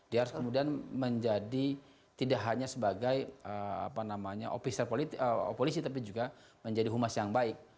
dia harus kemudian menjadi tidak hanya sebagai polisi tapi juga menjadi humas yang baik